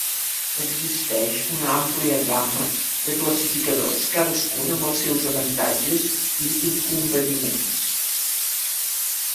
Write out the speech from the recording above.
Existeix una àmplia gamma de classificadors, cadascun amb els seus avantatges i inconvenients.